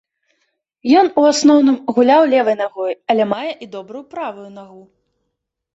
Ён, у асноўным, гуляў левай нагой, але мае і добрую правую нагу.